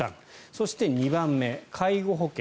そして２番目、介護保険